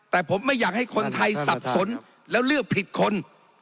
แต่ผมไม่อยากให้คนไทยสับสนแล้วเลือกผิดคน